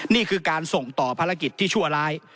นี่คือการส่งต่อภารกิจที่ชั่วร้าย